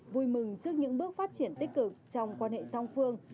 vui mừng trước những bước phát triển tích cực trong quan hệ song phương